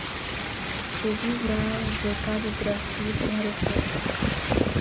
Ses ouvrages de calligraphies font référence.